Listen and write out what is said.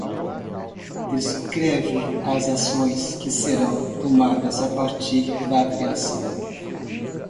descreve as ações que serão tomadas a partir da criação